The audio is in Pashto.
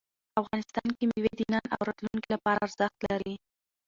افغانستان کې مېوې د نن او راتلونکي لپاره ارزښت لري.